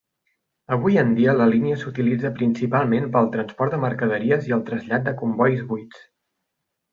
Avui en dia la línia s'utilitza principalment per al transport de mercaderies i el trasllat de combois buits.